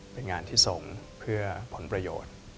เป็นงานที่ส่งเพื่อผลประโยชน์